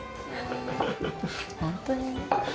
本当に？